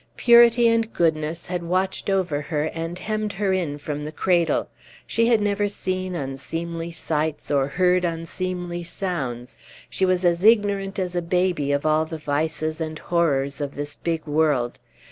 Purity and goodness had watched over her and hemmed her in from the cradle. She had never seen unseemly sights, or heard unseemly sounds. She was as ignorant as a baby of all the vices and horrors of this big world.